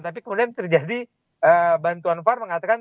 tapi kemudian terjadi bantuan var mengatakan